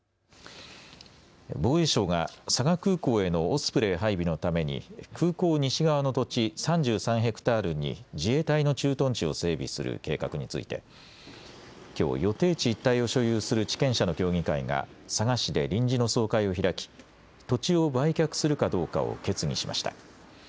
防衛省が佐賀空港へのオスプレイ配備のために空港西側の土地３３ヘクタールに自衛隊の駐屯地を整備する計画についてきょう予定地一帯を所有する地権者の協議会が佐賀市で臨時の総会を開き、土地を売却するかどうかを決議しました。